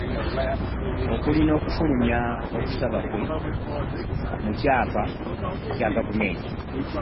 Okuli n'okufulumya okusaba kwe mu kyapa kya gavumenti.